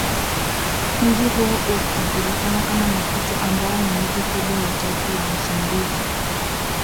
Mji huo ukijulikana kama Maputo ambao ni mji mkuu wa taifa la msumbiji